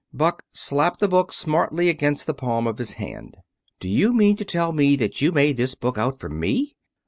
Buck slapped the book smartly against the palm of his hand. "Do you mean to tell me that you made this book out for me?